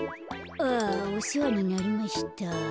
あおせわになりました。